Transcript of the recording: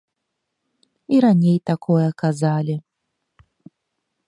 І раней такое казалі.